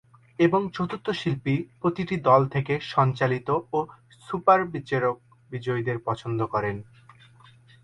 এবং চতুর্থ শিল্পী প্রতিটি দল থেকে সঞ্চালিত এবং সুপার বিচারক বিজয়ীকে পছন্দ করেন।